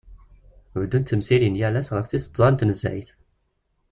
Beddunt temsirin yal ass ɣef tis tẓa n tnezzayt.